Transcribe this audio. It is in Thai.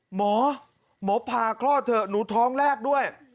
หมอหมอพาคลอดเถอะหนูท้องแรกด้วย